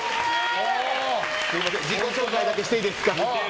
自己紹介だけしていいですか。